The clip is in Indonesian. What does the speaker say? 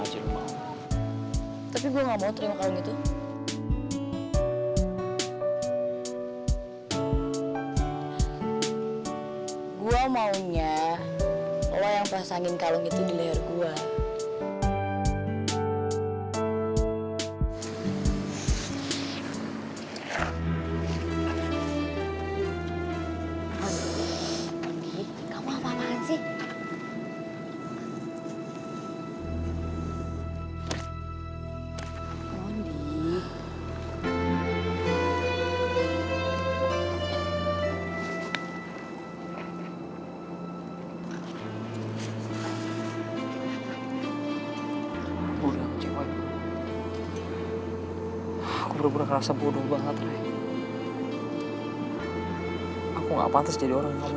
kalau kamu siap gitu ga bisa lo ketepatan